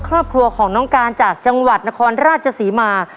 ครอบครัวของน้องการจากจังหวัดนครราชศรีมา